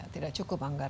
tidak cukup anggaran